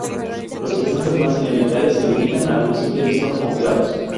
Los ejemplos más elementales se limitan a un simple listón con clavos.